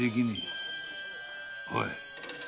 おい。